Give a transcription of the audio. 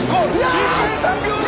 １分３秒台！